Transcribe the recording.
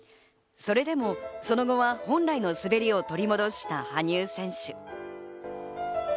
それでもその後は本来の滑りを取り戻した羽生選手。